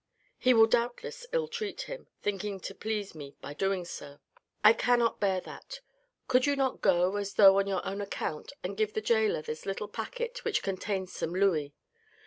He will doubtless ill treat him, thinking to please me by doing so ... I cannot bear that idea. Could you not go, as though on your own account, and give the gaoler this little packet which contains some louis.